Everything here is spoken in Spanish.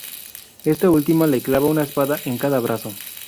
Esta última le clava una espada en cada brazo.